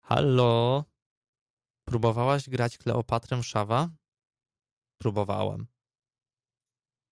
— Hallo! Próbowałaś grać Kleopatrę Shawa? — Próbowałam.